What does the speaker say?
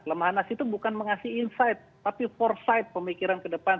lemhanas itu bukan mengasih insight tapi for side pemikiran ke depan